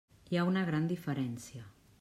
Hi ha una gran diferència.